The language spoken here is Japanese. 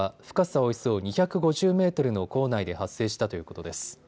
およそ２５０メートルの坑内で発生したということです。